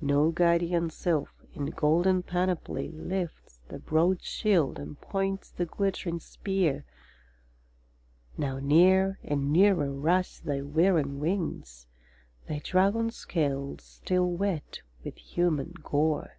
No guardian sylph, in golden panoply, Lifts the broad shield, and points the glittering spear. Now near and nearer rush thy whirring wings, Thy dragon scales still wet with human gore.